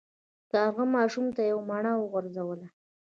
کارغه ماشوم ته یوه مڼه وغورځوله.